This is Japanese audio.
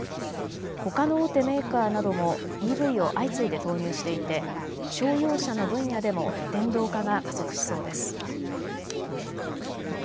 ほかの大手メーカーなどもＥＶを相次いで投入していて商用車の分野でも電動化が加速しそうです。